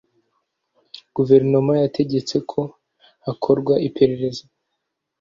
Guverineri yategetse ko hakorwa iperereza.